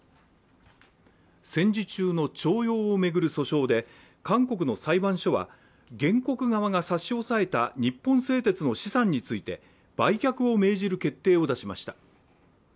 戦時中の徴用を巡る訴訟で、韓国の裁判所は原告側が差し押さえた日本製鉄の資産について、売却を命じる決定を出しました。